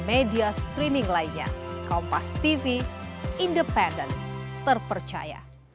media streaming lainnya kompas tv independen terpercaya